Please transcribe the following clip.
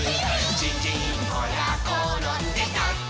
「ヂンヂンほらころんでたって」